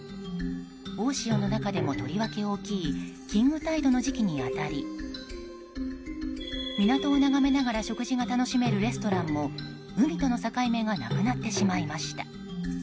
大潮の中でもとりわけ大きいキングタイドの時期に当たり港を眺めながら食事が楽しめるレストランも海との境目がなくなってしまいました。